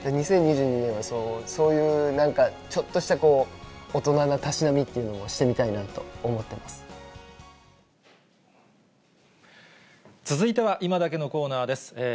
２０２２年は、そういうなんか、ちょっとした大人のたしなみっていうのもしてみたいなと思ってま続いては、いまダケッのコーナーです。